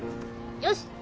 よし！